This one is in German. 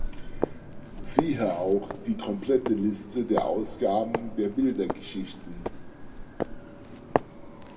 Siehe auch die komplette Liste der Ausgaben der Bildergeschichten.